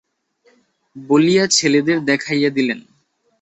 বলিয়া ছেলেদের দেখাইয়া দিলেন।